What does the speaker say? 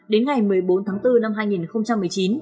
đến ngày một mươi bốn tháng bốn năm hai nghìn một mươi chín